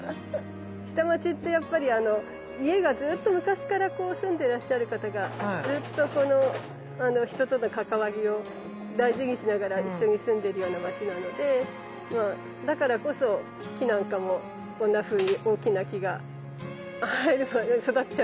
下町ってやっぱりあの家がずっと昔からこう住んでらっしゃる方がずっとこの人との関わりを大事にしながら一緒に住んでるような街なのでまあだからこそ木なんかもこんなふうに大きな木が育っちゃう。